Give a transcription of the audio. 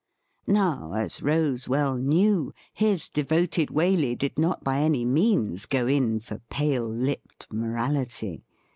Now, as Rose well knew, his devoted Waley did not by any means go in for pale lipped morality.